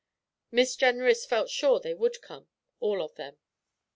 Miss Jenrys felt sure they would come, all of them.